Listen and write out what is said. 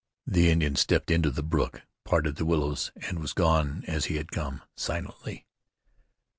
The Indian stepped into the brook, parted the willows, and was gone as he had come, silently.